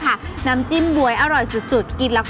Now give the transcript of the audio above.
เพราะว่าผักหวานจะสามารถทำออกมาเป็นเมนูอะไรได้บ้าง